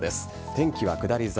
天気は下り坂。